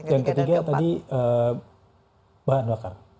yang ketiga tadi bahan bakar